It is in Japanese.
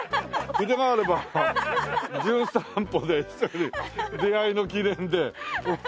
筆があれば『じゅん散歩』で出会いの記念で。